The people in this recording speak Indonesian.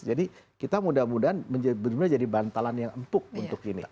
jadi kita mudah mudahan benar benar jadi bantalan yang empuk untuk ini